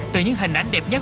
từ những hình ảnh đẹp nhất